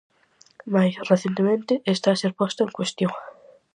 Mais, recentemente está a ser posta en cuestión.